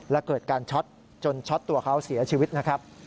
และเกิดการช็อตจนช็อตตัวเขาเสียชีวิตนะครับ